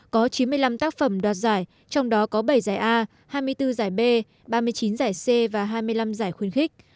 có chín mươi năm tác phẩm đoạt giải trong đó có bảy giải a hai mươi bốn giải b ba mươi chín giải c và hai mươi năm giải khuyên khích